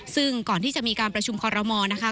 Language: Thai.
ซึ่งก่อนที่จะมีการประชุมคอรมอลนะคะ